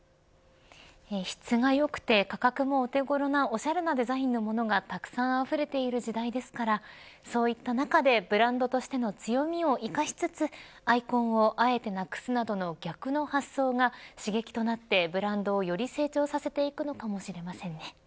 質が良くて価格もお手ごろなおしゃれなデザインのものがたくさんあふれている時代ですからそういった中でブランドとしての強みを生かしつつアイコンをあえてなくすなどの逆の発想が刺激となってブランドをより成長させていくのかもしれませんね。